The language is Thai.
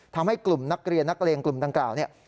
ทำให้กลุ่มนักเรียนกลุ่มต่างกล่าว